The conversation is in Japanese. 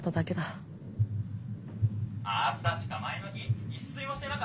「あ確か前の日一睡もしてなかったんじゃねえかな」。